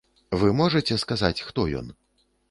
Вы можаце сказаць, хто ён?